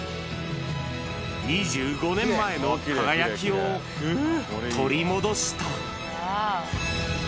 ２５年前の輝きを取り戻した。